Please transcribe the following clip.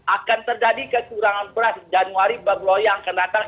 akan terjadi kekurangan beras januari bab loyang akan datang